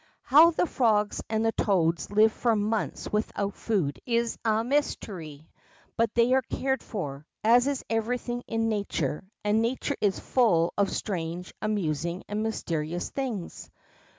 ITow the frogs and the toads live for months without food is a mystery, but they are cared for, as is everything in ^^^ature, and Uature is full of strange, amusing, and mysterious things.